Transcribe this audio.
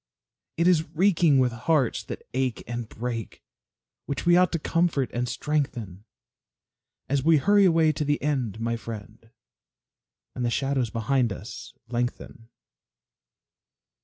It is reeking with hearts that ache and break, Which we ought to comfort and strengthen, As we hurry away to the end, my friend, And the shadows behind us lengthen.